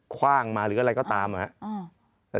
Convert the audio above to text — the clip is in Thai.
ว่างมาหรืออะไรก็ตามนะครับ